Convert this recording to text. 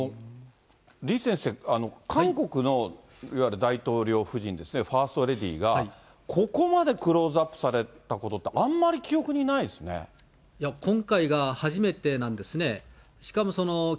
李先生、韓国のいわゆる大統領夫人ですね、ファーストレディーが、ここまでクローズアップされたことって、今回が初めてなんですね。